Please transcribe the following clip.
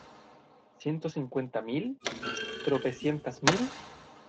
¿ ciento cincuenta mil? ¿ tropecientas mil ?